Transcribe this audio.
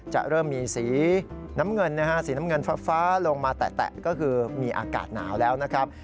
จะเริ่มมีสีน้ำเงินฟ้าลงมาแตะก็คือมีอากาศหนาวแล้วนะครับ